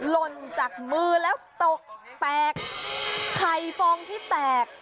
หล่นจากมือแล้วตกแตกไข่ฟองที่แตก